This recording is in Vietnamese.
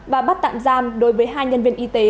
và bắt tạm giam đối với hai nhân viên y tế